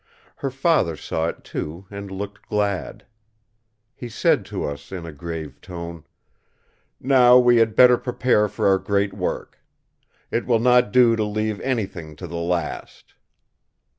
Her father saw it too and looked glad. He said to us in a grave tone: "Now we had better prepare for our great work. It will not do to leave anything to the last!"